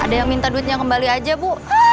ada yang minta duitnya kembali aja bu